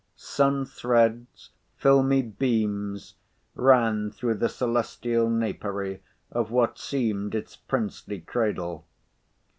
Sun threads—filmy beams—ran through the celestial napery of what seemed its princely cradle.